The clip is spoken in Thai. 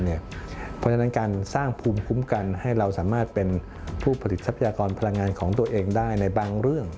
เพราะฉะนั้นการสร้างภูมิคุ้มกันให้เราสามารถเป็นผู้ผลิตทรัพยากรพลังงานของตัวเองได้ในบางเรื่อง